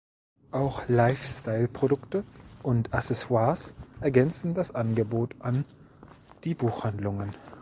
Auch Lifestyle-Produkte und Accessoires ergänzen das Angebot an die Buchhandlungen.